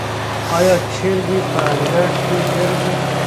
آیا چرګې په انګړ کې ګرځي؟